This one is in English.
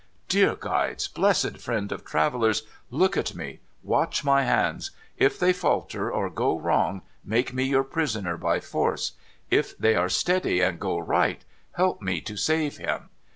Dear Guides ! Blessed friends of travellers ! Look at me. Watch my hands. If they falter or go wrong, make me your prisoner by force. If they are steady and go right, help me to save him